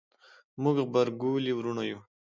موږ غبرګولي وروڼه یو